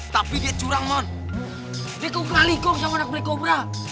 tapi dia curang mon dia keukralikong sama anak black cobra